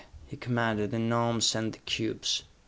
he commanded the Gnomes and the cubes.